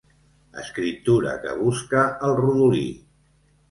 Escriptura que busca el rodolí.